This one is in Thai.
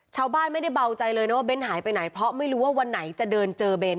ชาวบ้านไม่ได้เบาใจเลยนะว่าเน้นหายไปไหนเพราะไม่รู้ว่าวันไหนจะเดินเจอเน้น